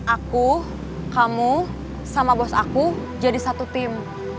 aku kamu sama bos aku jadi satu tim